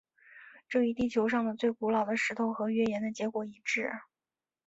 这与地球上的最古老的石头和月岩的结果一致。